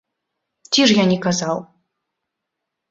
Ці ж я не казаў?!